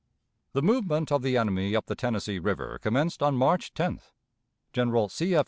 The movement of the enemy up the Tennessee River commenced on March 10th. General C. F.